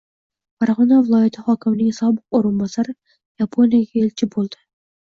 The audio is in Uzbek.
Farg‘ona viloyati hokimining sobiq o‘rinbosari Yaponiyaga elchi bo‘ldi